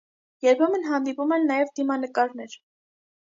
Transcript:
Երբեմն հանդիպում են նաև դիմանկարներ։